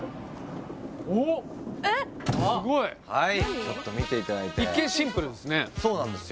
おおすごいはいちょっと見ていただいて一見シンプルですねそうなんですよ